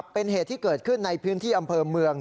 เป็นเหตุที่เกิดขึ้นในพื้นที่อำเภอเมือง